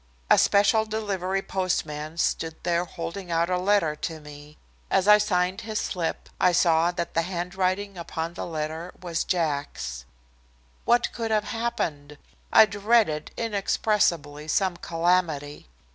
A special delivery postman stood there holding out a letter to me. As I signed his slip, I saw that the handwriting upon the letter was Jack's. What could have happened? I dreaded inexpressibly some calamity.